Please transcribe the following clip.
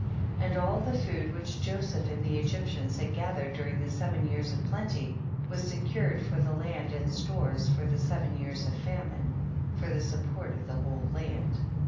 12. And all the food which Joseph and the Egyptians had gathered dur ing the seven years of plenty, was secured for the land in stores for the seven years of famine, for the sup port of the whole land.